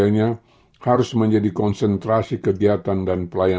seyoganya harus menjadi konsentrasi kegiatan dan pelayanan